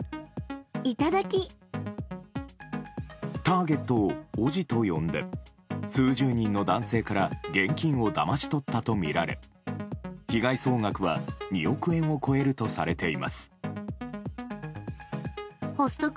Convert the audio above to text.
ターゲットを、おぢと呼んで数十人の男性から現金をだまし取ったとみられ被害総額は２億円を超えるとされています。